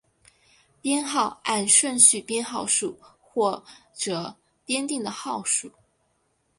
编号按顺序编号数或者编定的号数。